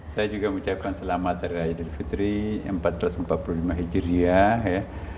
saya juga mengucapkan selamat hari raya idul fitri seribu empat ratus empat puluh lima hijriah ya